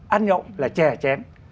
ăn nhậu là chè chén